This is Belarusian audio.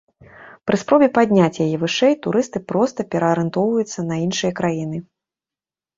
Пры спробе падняць яе вышэй, турысты проста пераарыентоўваюцца на іншыя краіны.